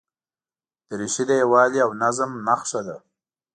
دریشي د یووالي او نظم نښه ده.